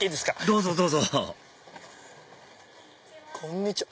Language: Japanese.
どうぞどうぞこんにちは。